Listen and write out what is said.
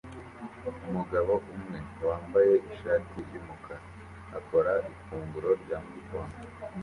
Umugabo umwe wambaye ishati yumukara akora ifunguro rya mugitondo